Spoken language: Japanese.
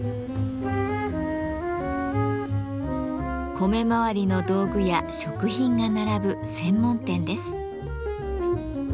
米まわりの道具や食品が並ぶ専門店です。